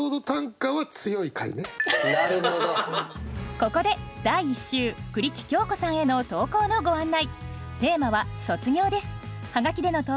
ここで第１週栗木京子さんへの投稿のご案内。